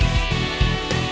saya yang menang